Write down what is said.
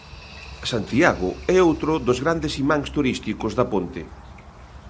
Santiago é outros dos grandes imáns turísticos da ponte.